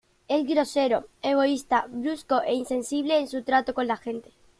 Es grosero, egoísta, brusco e insensible en su trato con la gente.